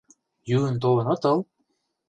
— Йӱын толын отыл?